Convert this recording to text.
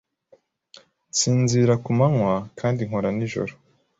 Nsinzira ku manywa kandi nkora nijoro.